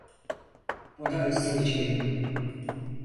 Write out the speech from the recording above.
Bunu özleyeceğim.